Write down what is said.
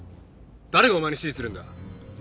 誰がお前に指示するんだ？